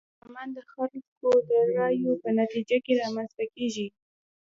پارلمان د خلکو د رايو په نتيجه کي رامنځته کيږي.